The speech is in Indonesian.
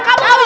kamu gak bisa